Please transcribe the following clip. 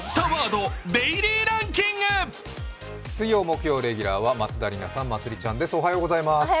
水曜・木曜レギュラーは松田里奈さん、まつりちゃんです。